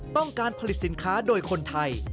ต้องการผลิตสินค้าโดยคนไทย